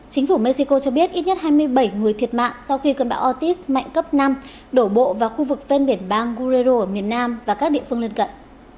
chính phủ mexico cho biết ít nhất hai mươi bảy người thiệt mạng sau khi cơn bão ortis mạnh cấp năm đổ bộ vào khu vực ven biển bang guerrero ở miền nam và các địa phương lân cận